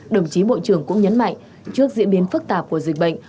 đồng chí bộ trưởng cũng nhấn mạnh trước diễn biến phức tạp của dịch bệnh